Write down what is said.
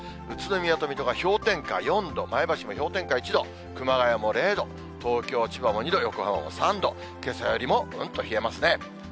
宇都宮と水戸が氷点下４度、前橋も氷点下１度、熊谷も０度、東京、千葉も２度、横浜も３度、けさよりもうんと冷えますね。